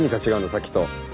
さっきと。